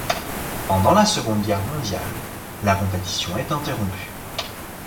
Pendant la seconde guerre mondiale, la compétition est interrompue.